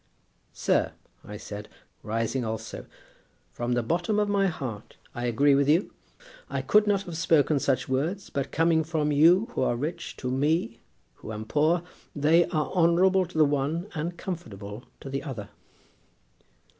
'Sir,' I said, rising also, 'from the bottom of my heart I agree with you. I could not have spoken such words; but coming from you who are rich to me who am poor, they are honourable to the one and comfortable to the other.'"